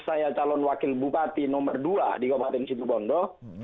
saya calon wakil bupati nomor dua di kabupaten situbondo